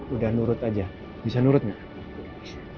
udah nurut aja bisa nurut nggak